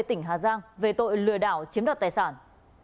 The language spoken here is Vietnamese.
tỉnh hà giang về tội lừa đảo chiếm đoạt tài sản